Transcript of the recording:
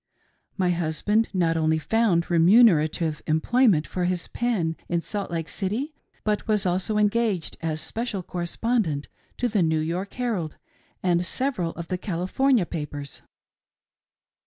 My husband not only found re munerative employment for his pen in Salt Lake City, but was also engaged as special correspondent to the New York Herald, and several of the California papers.